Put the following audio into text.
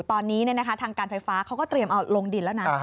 ตอนนี้ทางการไฟฟ้าเขาก็เตรียมเอาลงดินแล้วนะ